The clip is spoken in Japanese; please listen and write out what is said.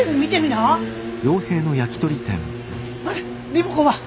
リモコンは？